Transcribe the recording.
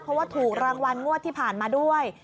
เพราะว่าถูกรางวัลงวดที่ผ่านมาด้วย